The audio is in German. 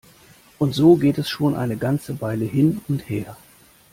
Und so geht es schon eine ganze Weile hin und her.